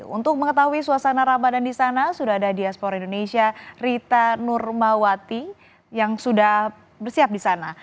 untuk mengetahui suasana ramadan di sana sudah ada diaspora indonesia rita nurmawati yang sudah bersiap di sana